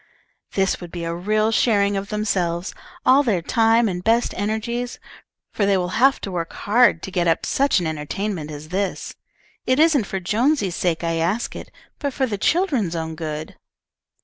"This would be a real sharing of themselves, all their time and best energies, for they will have to work hard to get up such an entertainment as this. It isn't for Jonesy's sake I ask it, but for the children's own good."